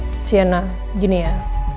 lihat sienna begini ya